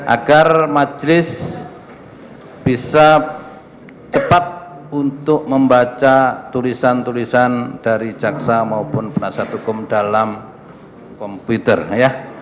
agar majelis bisa cepat untuk membaca tulisan tulisan dari jaksa maupun penasihat hukum dalam komputer ya